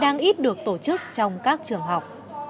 đang ít được tổ chức trong các trường học